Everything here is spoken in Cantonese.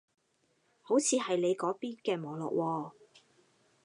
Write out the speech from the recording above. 好似係你嗰邊嘅網絡喎